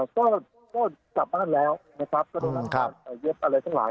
ก็กลับบ้านแล้วแล้วเราก็เย็บอะไรทั้งหลาย